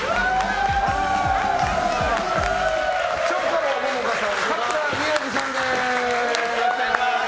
蝶花楼桃花さんと桂宮治さんです！